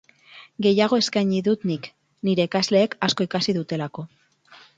Gehiago eskaini dut nik, nire ikasleek asko ikasi dutelako.